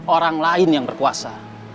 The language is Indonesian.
orang lain yang berkuasa